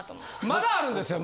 まだあるんですよ